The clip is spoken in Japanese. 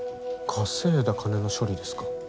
稼いだ金の処理ですか？